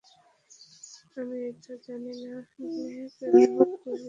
আমি এটাও জানি না যে কেন করিনি এটা!